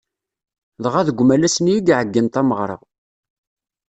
Dɣa deg umalas-nni i iɛeggen tameɣra.